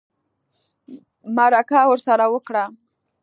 مرکه ورسره وکړه